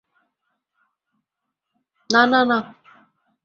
না না না।